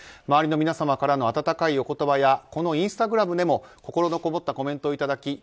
周りの皆様からの温かいお言葉やこのインスタグラムでも心のこもったコメントをいただき